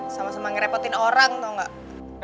sama sama ngerepotin orang tuh gak